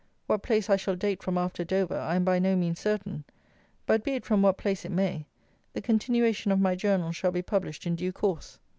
What place I shall date from after Dover I am by no means certain; but be it from what place it may, the continuation of my Journal shall be published in due course.